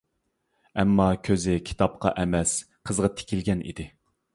ئەمما كۆزى كىتابقا ئەمەس قىزغا تىكىلگەن ئىدى.